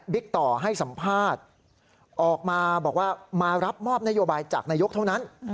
ต่อให้สัมภาษณ์ออกมาบอกว่ามารับมอบนโยบายจากนายกเท่านั้น